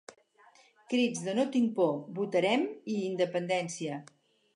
Crits de ‘No tinc por’, ‘Votarem!’ i ‘Independència’.